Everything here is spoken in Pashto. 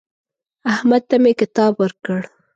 احمد ته مې کتاب ورکړ.